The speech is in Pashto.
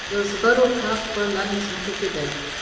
د زغرو کښت په للمي ځمکو کې دی.